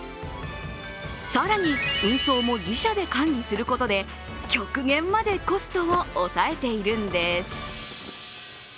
更に運送も自社で管理することで極限までコストを抑えているんです。